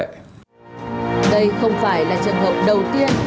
đây không phải là trường hợp đầu tiên